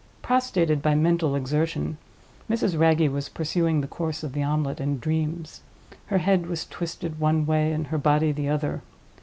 Prostrated by mental exertion, Mrs. Wragge was pursuing the course of the omelette in dreams. Her head was twisted one way, and her body the other.